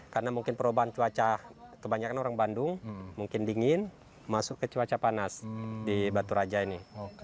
karena mungkin perubahan cuaca kebanyakan orang bandung mungkin dingin masuk ke cuaca panas di baturaja ini